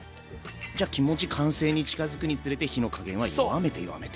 じゃ気持ち完成に近づくにつれて火の加減は弱めて弱めて。